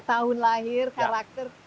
tahun lahir karakter